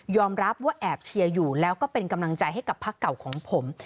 รับว่าแอบเชียร์อยู่แล้วก็เป็นกำลังใจให้กับพักเก่าของผม